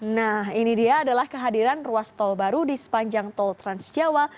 nah ini dia adalah kehadiran ruas tol baru di sepanjang tol transjawa